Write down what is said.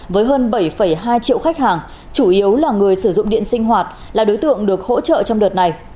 với hơn bảy hai triệu khách hàng chủ yếu là người sử dụng điện sinh hoạt là đối tượng được hỗ trợ trong đợt này